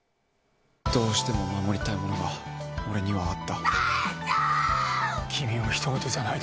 どうしても守りたいものが俺にはあった。